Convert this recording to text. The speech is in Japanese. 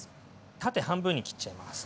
縦半分に切っちゃいます。